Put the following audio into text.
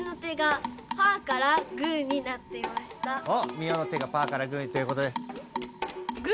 ミオの手がパーからグーということです。